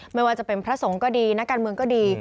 ไม่ว่าจะเป็นพระสงฆ์ก็ดีนักการเมืองก็ดี